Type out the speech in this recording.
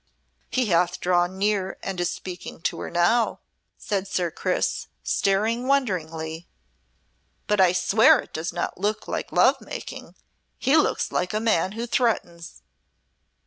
"He hath drawn near and is speaking to her now," said Sir Chris, staring wonderingly, "but I swear it does not look like love making. He looks like a man who threatens."